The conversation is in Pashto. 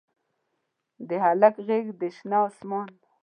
د هلک غیږ د شنه اسمان